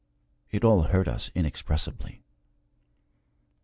It all hurt us inexpressibly.